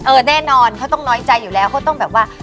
แน่นอนเขาต้องน้อยใจอยู่แล้วเขาต้องแบบว่า